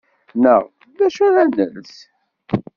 Neɣ: D acu ara nels?